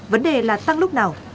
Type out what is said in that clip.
vấn đề là tăng lúc nào